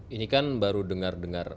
ini kan baru dengar dengar